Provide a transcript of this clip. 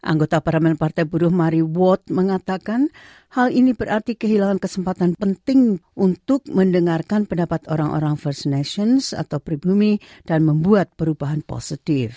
anggota parlemen partai buruh mari world mengatakan hal ini berarti kehilangan kesempatan penting untuk mendengarkan pendapat orang orang first nations atau pribumi dan membuat perubahan positif